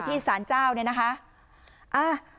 ที่ศาลเจ้าเนี่ยนะคะ